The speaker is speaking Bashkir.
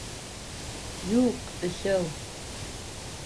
Юҡ, өсәү!